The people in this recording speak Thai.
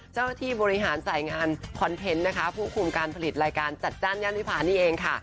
เจ้าหน้าที่บริหารสายงานคอนเทนต์นะคะผู้คุมการผลิตรายการจัดจ้านย่านวิพานี่เองค่ะ